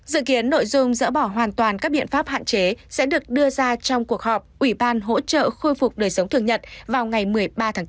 dự kiến nội dung dỡ bỏ hoàn toàn các biện pháp hạn chế sẽ được đưa ra trong cuộc họp ủy ban hỗ trợ khôi phục đời sống thường nhật vào ngày một mươi ba tháng bốn